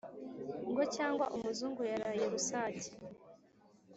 Ngo cyangwa umuzungu yaraye rusake